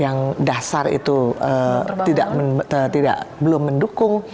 yang dasar itu belum mendukung